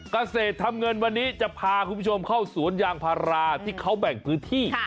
เกษตรทำเงินวันนี้จะพาคุณผู้ชมเข้าสวนยางพาราที่เขาแบ่งพื้นที่